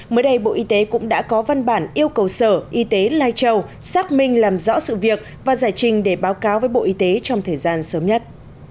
mới đây bộ y tế cũng đã có văn bản yêu cầu sở y tế lai châu xác minh làm rõ sự việc và giải trình để báo cáo với bộ y tế trong thời gian sớm nhất